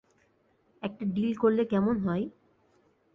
একটা ডিল করলে কেমন হয়?